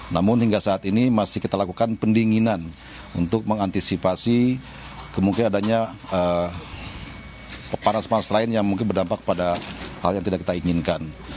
namun hingga saat ini masih kita lakukan pendinginan untuk mengantisipasi kemungkinan adanya panas panas lain yang mungkin berdampak pada hal yang tidak kita inginkan